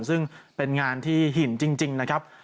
ซึ่งเป็นงานที่หินจริงนะครับ